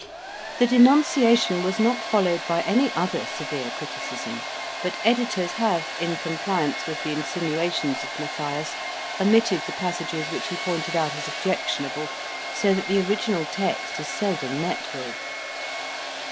The denunciation was not followed by any other severe criticism; but editors have, in compliance with the insinuations of Matthias, omitted the passages which he pointed out as objectionable, so that the original text is seldom met with.